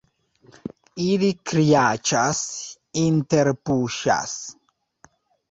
Ili kriaĉas, interpuŝas.